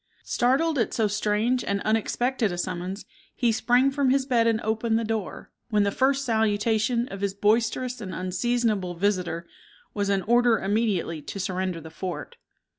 Startled at so strange and unexpected a summons, he sprang from his bed and opened the door, when the first salutation of his boisterous and unseasonable visitor was an order immediately to surrender the fort.